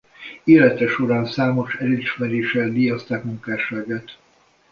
Élete során számos elismeréssel díjazták munkásságát.